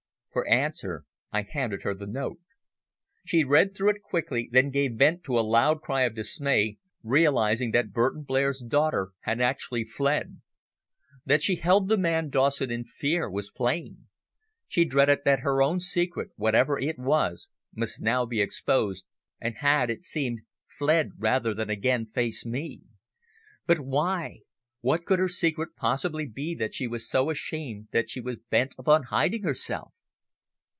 For answer I handed her the note. She read it through quickly, then gave vent to a loud cry of dismay, realising that Burton Blair's daughter had actually fled. That she held the man Dawson in fear was plain. She dreaded that her own secret, whatever it was, must now be exposed, and had, it seemed, fled rather than again face me. But why? What could her secret possibly be that she was so ashamed that she was bent upon hiding herself?